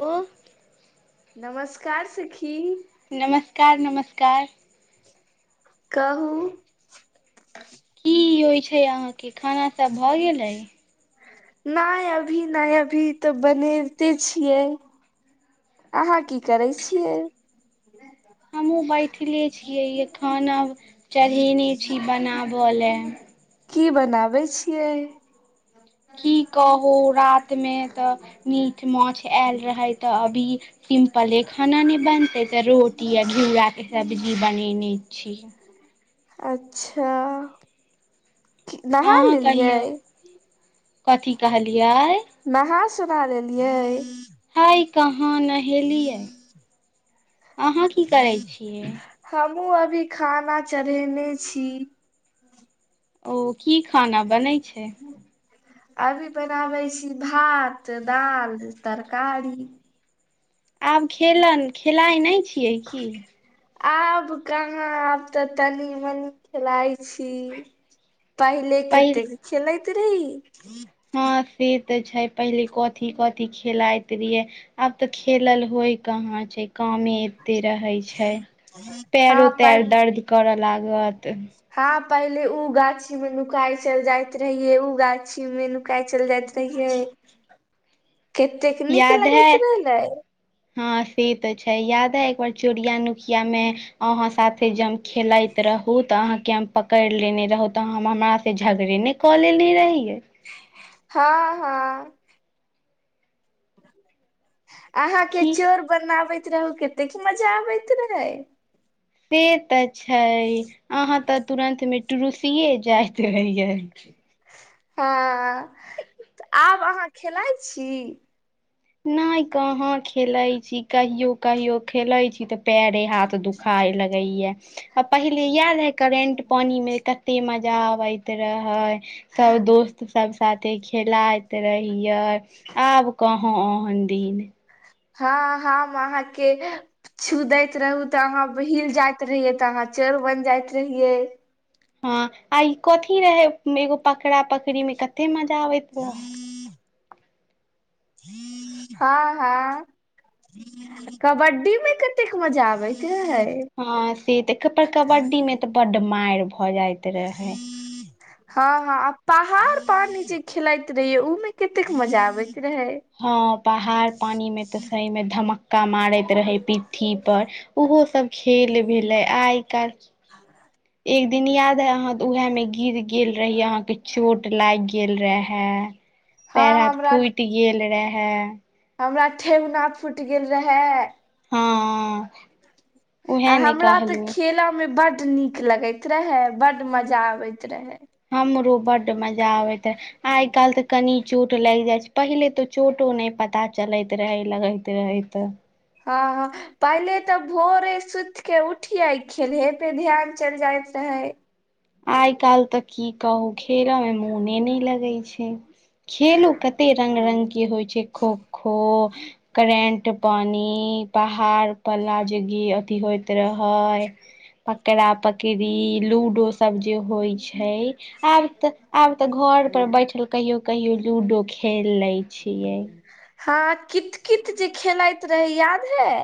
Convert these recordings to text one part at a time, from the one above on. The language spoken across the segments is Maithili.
ओ। नमस्कार सखी। नमस्कार- नमस्कार। कहू। की होइ छै अहाँके खाना सब भऽ गेलै? नै अभी नै अभी तऽ बनैते छियै। अहाँ की करै छियै? हमहुँ बैठले छियै, खाना चढ़ैने छी बनाबयलेल। की बनाबै छियै? की कहू रातमे तऽ मीट माछ आयल रहै तऽ अभी सिम्पले खाना नए बनतै, तऽ रोटी आ घियुरा के सब्जी बनेने छी। अच्छा नहा अहाँ लेलियै। कहियौ कथी कहलियै? नहा सुना लेलियै? नहि कहाँ नहेलियै, अहाँ की करै छियै? हमहुँ अभी खाना चढ़ैने छी। ओ की खाना बनैय छै? अभी बनाबै छी भात, दाल, तरकारी। आब खेलन, खेलाइ नहि छियै की? आब कहाँ आब तऽ तनी- मनी खेलाय छी। पहिले पहिल केतेक खेलैति रहई। हँ से ते छै पहिले कथी- कथी खेलाइत रियै। आब तऽ खेलल होय कहाँ छै, कामे ते रहै छै, हँ पैरो तैर प दर्द करअ लागत। हँ पहिले उ गाछी में नुकाय चल जाइत रहिये, उ गाछी में नुकााय चल जाइत कहियैय, कतेक नीक याद है लगैत रहलैय। हँ से त छै, याद अय एक बार चोरिया नुकिया में अहां साथे जम खेलाइत रहु त आहाँ के हम पकड़ लेने रहु तऽ ह हमरा से झगड़े ने क लेने रहियै। [inaudible] हँ- हँ। अहाँ के की चोर बनाबैत रहू केतेक मजा आबैत रहे? से तऽ छै, अहाँ तऽ तुरन्त मे टु रूसीेये जाइत रहियै। हँ, त आब अहाँ खेलाइ छी? नहि कहां खेलै छी कहियो कहियो खेलै छी तऽ पैरे हाथ त दुखाय लगैया, आ पहिले इयाद है करेंट पानी मे। कतै मजा आबैत रहै, सब दोस्त सब साथे खेलाइत रहियै, आब कहाॅ ओहन दिन। हाॅं, हाम अहाँ के छू दैत रहू तऽ अहाँ हिल जाइत रहियै, तऽ अहाँ चोर बन जाइत रहियै। हाॅं आई कथी रहै मे एगो पकड़ा-पकड़ी मे कते मजा आबैत रहै। [inaudible] हाॅं-हाॅं। कबड्डी मे कतेक मजा आबैत रहैय। हाॅं से तेक प का कबड्डी मे तऽ बड्ड माइर भ जाइत रहैय। हाॅं- हाॅं आ पहाड़ पानी जे खिलाइत रहियै, उ मे कतेक मजा आबैत रहै। हाॅं पहाड़ पानी में तऽ सही मे धमक मुका मारैत रहै पिठठी पर, ओहोसभ खेल भेलै आइ काल्हि [inaudible] एक दिन याद हय अहां के ऊहै में गिर गेल रहियै, अहाॅंके चोट लागि गेल रेहै। [inaudible] पैर हाथ हमरा फुटि गेल रेहै। हमरा ठेहुना फुटि गेल रहै। हाॅं आ हमरा तऽ खेलअ मे बड नीक लगैत रहे, बड मजा आबैत रहै। हमरो बड मजा आबैत आइ काल्हि तऽ कनि चोट लागि जाइ छै, पहिले तऽ चोटो नहि पता चलैत रहै लगै त रहै त। आ हा। पहिले तऽ भोरे सुति के उठिये खेलहे पे ध्यान चल जाइत रहै। आइ काल्हि तऽ की कहू खेल मे मोने नहि लगै छै। खेलो कते रंग-रंग के होइ छै, खोखो करेंट पानि, पहाड़ प ला जे गी अथी होइत रहै पकड़ा पकडी, लूडो स सब जे होइ छै, आब त आब त घर पर बैठल कहियो कहियो लूडो खेल लै छियै। हाॅं कित-कित जे खेलैत रही, याद है।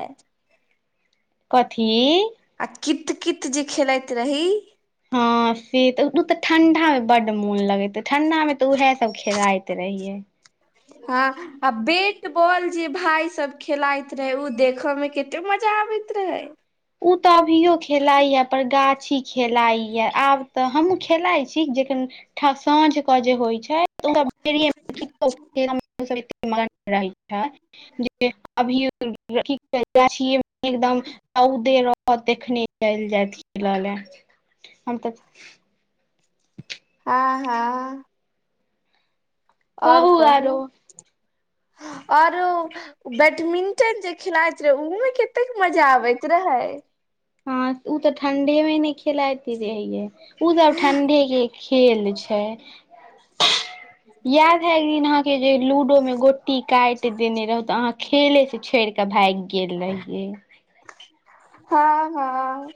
कऽथी? आ कित-कित जे खेलैत रही। हाॅं से तऽ उत ठंडा में बड मोन लगैते ठंडा मे तऽ उहै सब खेलइत रहियै। हाॅं। आ बेट बॉल जे भाय सब खेलाइत रहै ऊ देख में केते मजा आबैत रहै। उ तऽ अभियो खेलाइयै पर गाछी खेलाईयै। आब तऽ हमू खेलाय छी, जेखन ठ साँझ क जे होइ छै [unintelligible] मगन रहै छै, जे अभीयो कि कहै गाछीये में एकदम रौदे रहत तखने चलि जायत खेलऽ ले हम तऽ आ हा। और कहू। और बैटमिंटन जे खेलाइत रहे, ओमे के तेक मजा आबैत रहै। हाॅं ऊ तऽ ठंडे मे नहि खेलाइत रहैये ऊ सब ठंडे के खेल छै। [inaudible] याद है एक दिन अहाँ के जे लूडो में गोटी काइट देने रहौं त अहाँ खेले से छोड़ि कऽ भागि गेल रहियै। हाॅं हाॅं।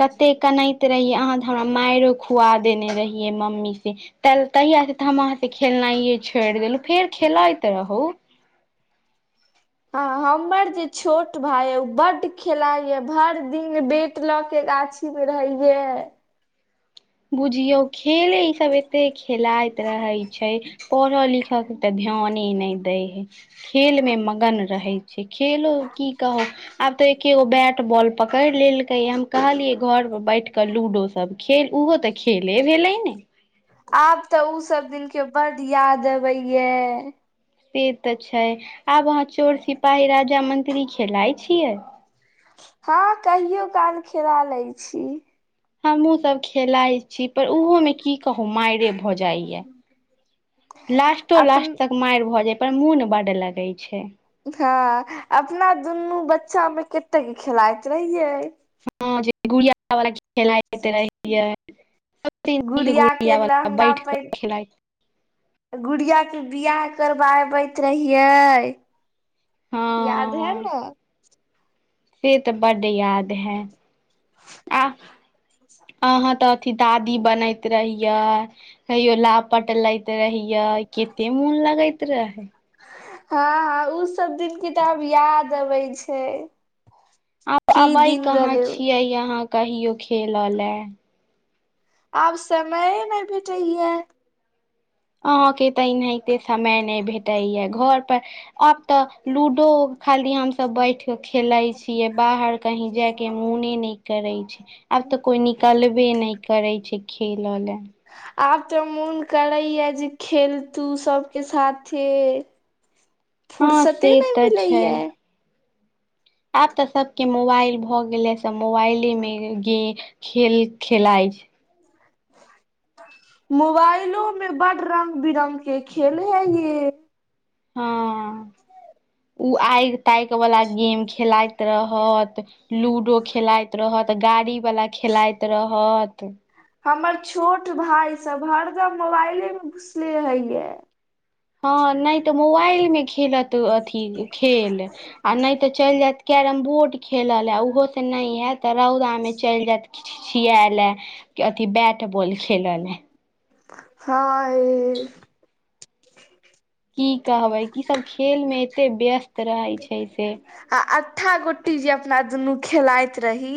तते कनैत रहियै अहाँ तऽ हमरा माइरो खुआ देने रहियै मम्मी से तैले तहिया से त हम अहाँ से खेलनाइये छोड़ि देलहु फेर खेलैत रहू। हँ हमर जे छोट भाय अइ ऊ बड्ढ खेलाय यै भर दिन बेट ल के गाछी मे रहैयै बुझियौ खेले ई सब एते खेलाइत रहै छै। पढ़ऽ लिखय के तऽ ध्याने नै दै हेै खेल मे मगन रहेै छै खेलो की कहब आब तऽ एकेगो बैट बॉल पकड़ि लेल कै हम कहलियै घर पर बैठ क लूडो सब खेल उहो तऽ खेले भेलै ने आब तऽ उ सब दिन के बड याद अबेैये। से तऽ छै, आब अहाँ चोर सिपाही राजा मंत्री खेलाय छियै? हँ कहियो काल खेला लै छी। हमहु सब खेलाय छी पर उहो में की कहु माइरे भ भऽ जाइए लास्टो लास्ट अपन तक कुमैर भऽ जाइ पर मुन बड लगेै छै। उखा अपना दुनू बच्चा मे कतेक खेलाइत रहियै। हँ, जे गुड़िया वाला खेलाइत रहीयै। यै, तीन-तिहे के गुड़िया वाला लहंगा बैठ के पहिन खेलाइत गुड़िया के बियाह करबाबैत रहियै। हँ [unintelligible] से तऽ बड्ड याद हैं, आ सा अहाँ तऽ अथी दादी बनैत रहियै, कहियो लापट लै रहियै, केते मोन लगैत रहेै। हँ हँ, उ सब दिन के तऽ, आब याद अबै छै। आब की अबै दिन कहाँ रहलै उ छियै अहाँ, कहियो खेलऽ लए? आब समइए नै भेटैया। अहाँके तऽ एनाहिते, समय नै भेटैए, घर पर आब तऽ, लूडो खाली हम तब बैठ के खेलाय छीऐ, बाहर कही जाय के मोने नै करेै छै, आब तऽ कोई नि कलबे नै करै छै खेलऽ लए। आब तऽ, मोन करैए जे खेलतू सबके साथे। हँ फुरसते से नै तऽ मिलै छै यऽ। आब तऽ सभके मोबाइल भऽ गेलैए, सभ मोबाइले मे रैह गेल खेल खेलाइ छै। मोबाइलो में बड रंग- बिरंग के खेल हइ, ए। हँ। उ आगि तैक वाला गेम खेलाइत रहत, लूडो खेलाइत रहत। तऽ गाड़ी वाला खेलाइत रहत। हमर छोट भाइ सभ हरदम मोबाइले मे घुसले रहैयऽ। हँ, नै तऽ मोबाइल मे खेलत अथी, खेल आ नै तऽ चैल जैत कैरम बोर्ड खेलऽ लै उहो ते नै हैत, तऽ रौदामे चैल जैत। की छिछिया ले, की अथि बैट बॉल खेलऽ लै। हा इर। की कहबै, की सब खेल मे एते व्यस्त रहै छै से। आ अठ्ठा- गुट्टी, जे अपना दुनू खेलाइत रही।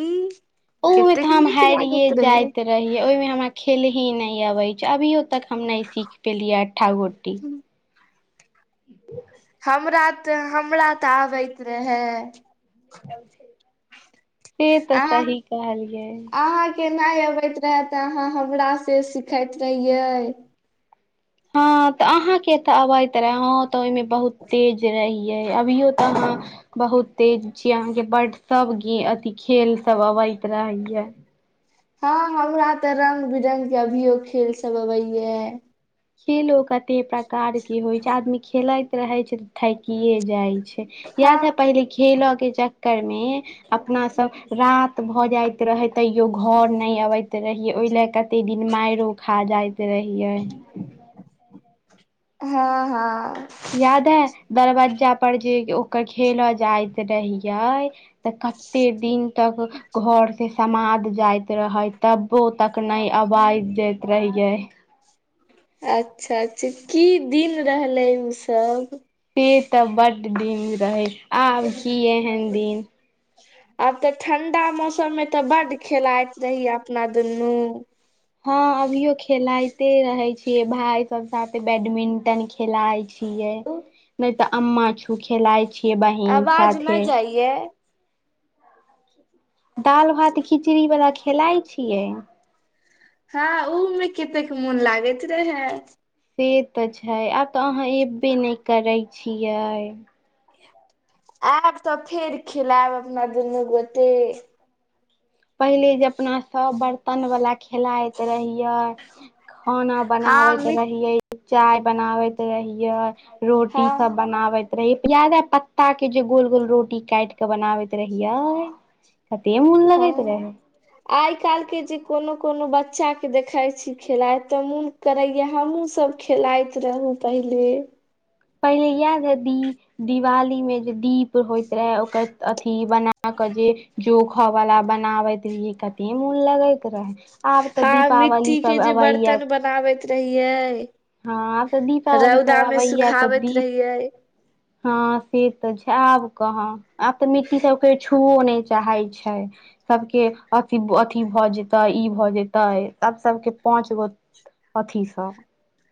ओहो कतेक थाम नीक हैरीये लागैत रहै जाइत रहियै ओयमे, हमरा खेलहे नै अबै छै, अभियो तक हम नै सीख पेलियै अट्ठा- गुट्टी। [unintelligible] हमरा तऽ, हमरा तऽ आबैत रहऽ। से तऽ अहाँ, सही कहलियै अहाँ के नइ अबैत रहे तऽ, अहाँ हमरा से सिखैत रहियै। हँ, तऽ अहाँ के तऽ अबैत रहऽ। हँ तऽ अइ, मे बहुत तेज रहियै, अभियो तऽ अहाँ बहुत तेज छी अहाँ कें, बड सब गे अथी खेल सब अबैत रहैयऽ। हँ, हमरा तऽ रंग- बिरंग के अभियो खेल सब अबै यऽ। खेलो कते प्रकार के होइ छै, आदमी खेलैत रहे छै तऽ थैकिए जाइ छै। हँ याद है पहिले, खेलऽ के चक्कर मे। अपना सभ रात भऽ जाइत रहै, तैयो घर नइ अबैत रहियै, ओय ले तऽ तैय दिन माइरो खा जाइत रहियै। ह [inaudible] हँ -हँ यादअइ दरवज्जा पर जे ओकर खेलऽ जाइत रहियै। तऽ कतै दिन तक घर से समाद जाइत रहै तब। पो तक नई आबायज जैत रहियै। अच्छा - अच्छा की दिन रहलै ऊ सब। टै तऽ बड दिन रहे आब की एहन दिन। आब तऽ, ठंडा मौसम मे तऽ बड खेलाइत रहहिय अपना दुनू। हँ अभियो खेलायते रहे छीयै, भाय सब साथे बैडमिंटन खेलाइत छी। छियै नई तऽ अम्मा छू खेलाइ छियै, बहिन आवाज साथे। नहि जाइये दाल भात खिचड़ी बला खेलाइ छियै। हँ उऽमे कतेक मोन लागैत रहै। से तऽ छै आब तऽ अहाँ एबे नहि करै छियै। आयब तऽ फेर खेलैब अपना दुनू गोटे। पहिले जे अपना सभ बर्तन वाला खेलाइत रहियै। खाना हँ बनाबैत मि रहियै, चाय बनाबैत रहियै। रोटी हँ सब बनाबैत। रहि प्याजा पत्ता के जे गोल गोल रोटी काइट क बनाबैत रहियै। कतेंमुन हँ- आइ काईल्ह के जे कोनो - कोनो बच्चा के देखइत छी, खेलाइत तऽ मुन। करैया हमहुँ सब खेलाइत रहुॅ पहिले। पहिले इएह जे दीप दिवाली में जे दीप होय। वैह ओकर अथी बना कऽ जे। जोखह वला बनावैत रियै कतै मुन लगैत। रहै आब तऽ दीपावली सब अबैया। ताबैत रहियै। हँ तऽ दीपावली त रौदा मे आबयै तऽ सुखाबैत दीप। रहियै हँ से तऽ छै, आब कहाँ। आब तऽ मिट्टी सब के छुओ नइ चाहै छै। सबके अथी - अथि भऽ जेतैय ई भऽ जेतैय तब सबके पाच गो। अथी सब।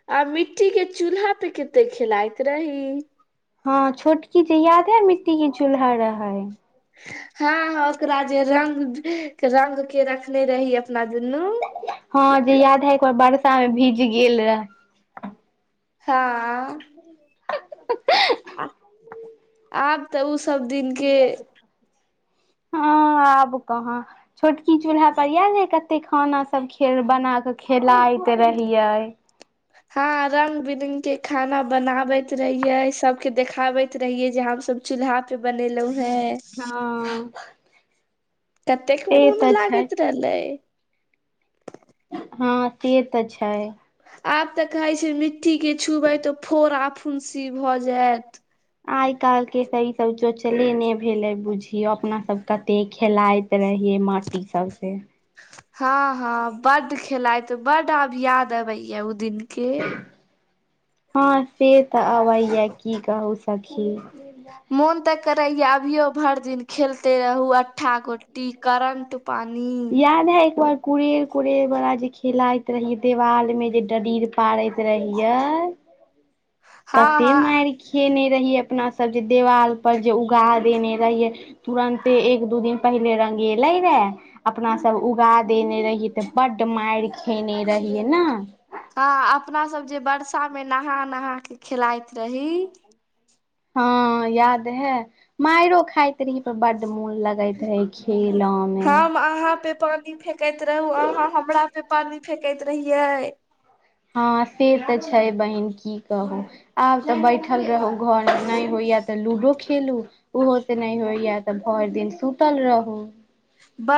आ मिट्टी के चूल्हा पे केते खेलाइत रही। हँ छोटकी जे याद अइ मिट्टी क चूल्हा रहैय। [inaudible] हॅ-हँ ओकरा जे रंग [unintelligible] रंग के रखने रही अपना दुनू। [unintelligible] हँ जे याद है एक बार बर्षा मे भीज गेल रहै। हँ आह ऽ आब तऽ उ सब दिन। के [unintelligible] हँ आब कहाँ। छोटकी चूल्हा पर इएह ने कते खाना सब खेल बना कऽ खेलाइत रहियै। हँ रंग बिदिग के खाना बनाबैत रहियै सबके देखाबैत रहियै जे हम सब चूल्हा पे बनेलों हें। हँ कतेक से मोन तऽ छै लागैत रहलै। हँ से तऽ छैय। आब तऽ कहै छै मिट्टी के छुबै तऽ फोरा- फुंसी भऽ जैत। आइ काल्हि के त ई सब चोचले ने भैलै बुझियो अपना सब कते खेलाइत रहियै माटी सबसे हँ हँ बड खेलाायत बड आब याद अबेये ओ दिन के हँ से तऽ अबैये की कहू सखी मोन तऽ करैये अभियो भरि दिन खेलते रहु अट्ठा-गोटी करंट पानी याद ऐ एक बेर कुरेर-कुरेर बला जे खेलाइत रहियै देवाल में जे डडीर पारैत रहियै हँ कते हँ माइर खेने रहियै अपना सब जे देवाल पर जे उगा देने रहियै तुरन्ते एक दू दिन पहिल रंगेलै रै अपना सब उगा देने रहियै तऽ बड्ड मारि खेने रहियै न। ह अपना सब जे बर्सा मे नहा नहा के खेलाइत रही। हँ याद है। माइरो खाइत रही पर बड मोन लगैत रहे खैल मे हम अहाँ पे पानी फेकैत रही अहाँ हमरा पे पानी फेकैत रहियै हँ से तऽ छै बहिन की- कहू आब तऽ बैठल रहू घर नहि होइए तऽ लूडो खेलू ओहो से नहि होइये तऽ भरि दिन सुतल रहू। बड